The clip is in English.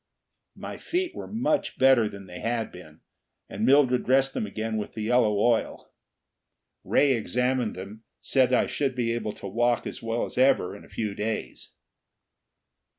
My feet were much better than they had been, and Mildred dressed them again with the yellow oil. Ray examined them, said that I should be able to walk as well as ever in a few days.